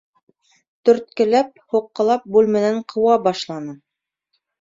Төрткөләп, һуҡҡылап бүлмәнән ҡыуа башланы.